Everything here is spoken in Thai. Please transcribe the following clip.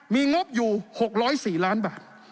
มีงบอยู่๖๐๔ล้านบาท